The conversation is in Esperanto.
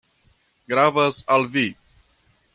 Gravas al vi.